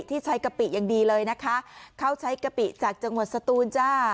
ที่ใช้กะปิอย่างดีเลยนะคะเขาใช้กะปิจากจังหวัดสตูนจ้า